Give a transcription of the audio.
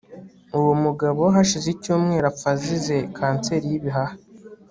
Uwo mugabo hashize icyumweru apfa azize kanseri yibihaha